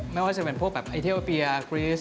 ไม่ว่าจะเป็นพวกแบบไอเทลเปียกรีส